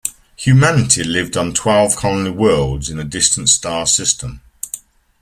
Humanity lived on twelve colony worlds in a distant star system.